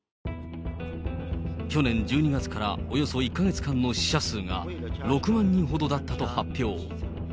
去年１２月からおよそ１か月間の死者数が６万人ほどだったと発表。